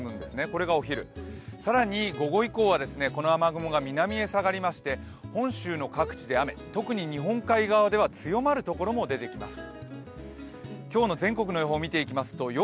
これがお昼、更に午後以降はこの雨雲が南に下がりまして本州の各地で雨、特に日本海側では強まる所も出てきます。